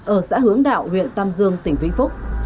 ở xã hướng đạo huyện tam dương tỉnh vĩnh phúc